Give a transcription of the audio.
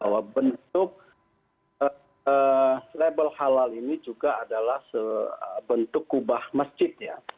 bahwa bentuk label halal ini juga adalah bentuk kubah masjid ya